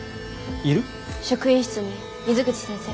職員室に水口先生。